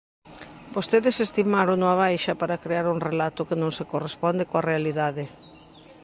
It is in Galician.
Vostedes estimárono á baixa para crear un relato que non se corresponde coa realidade.